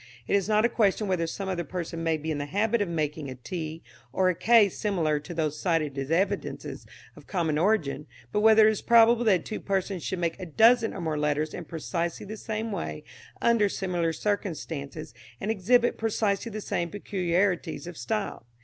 It is not a question whether some other person may be in the habit of making a t or a k similar to those cited as evidences of common origin, but whether it is probable that two persons should make a dozen or more letters in precisely the same way under similar conditions and exhibit precisely the same peculiarities of style.